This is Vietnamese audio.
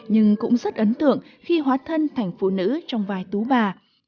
nhưng cũng rất ấn tượng khi hóa thân thành phụ nữ trong vai tú bà